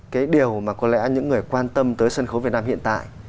cái điều mà có lẽ những người quan tâm tới sân khấu việt nam hiện tại